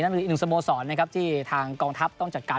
นั่นคืออีกหนึ่งสโมสรที่ทางกองทัพต้องจัดการ